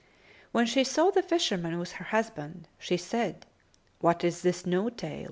When she saw the fisherman with her husband, she said, "What is this No tail?"